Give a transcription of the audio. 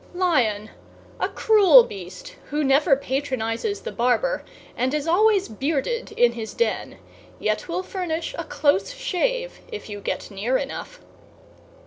=LION= A cruel beast who never patronizes the barber and is always bearded in his den, yet will furnish a close shave if you get near enough.